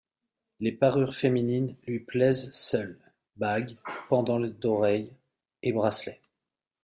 Les parures féminines lui plaisaient seules, bagues, pendants d'oreilles et bracelets.